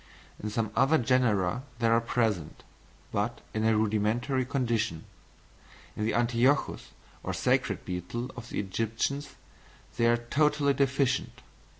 In some other genera they are present, but in a rudimentary condition. In the Ateuchus or sacred beetle of the Egyptians, they are totally deficient.